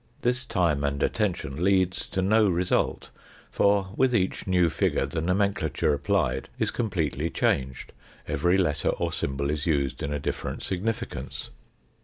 This time and attention leads to no result, for with each new figure the nomenclature applied is completely changed, every letter or symbol is used in a different significance.